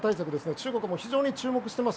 中国も非常に注目しています。